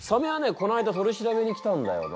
この間取り調べに来たんだよな。